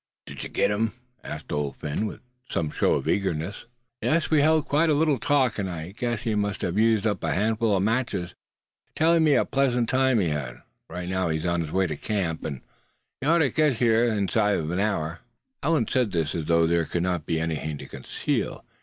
"Did yuh git him?" asked Old Phin, with some show of eagerness. "Yes, we held quite a little talk, and I guess he must have used up a handful of matches telling me what a pleasant time he had. Right now he's on his way to camp, and ought to get here inside of an hour." Allan said this as though there could not be anything to conceal.